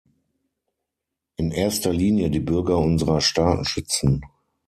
In erster Linie die Bürger unserer Staaten schützen.